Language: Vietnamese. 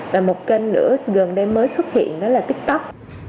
và một kênh nữa gần đây mới xuất hiện đó là tik tok